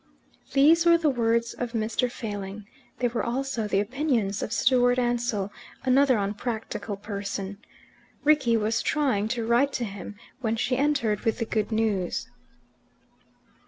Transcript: These were the words of Mr. Failing. They were also the opinions of Stewart Ansell, another unpractical person. Rickie was trying to write to him when she entered with the good news.